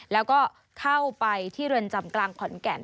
แล้วก็เข้าไปที่เรือนจำกลางขอนแก่น